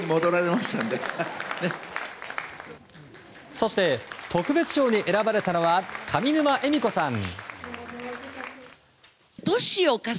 そして、特別賞に選ばれたのは上沼恵美子さん。